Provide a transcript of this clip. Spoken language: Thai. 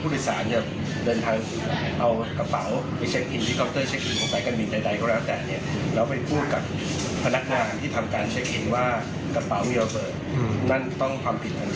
ปลอดภัยนั้นเป็นสิ่งที่ต้องห้าม